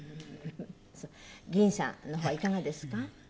ぎんさんの方はいかがですか？